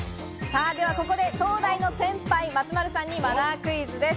東大の先輩、松丸さんにマナークイズです。